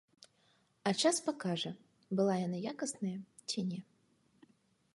А час пакажа, была яна якасная, ці не.